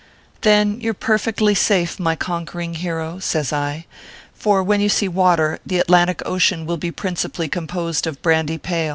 " Then you re perfectly safe, my conquering hero," says I ; "for when you see water, the Atlantic Ocean will be principally composed of brandy pale."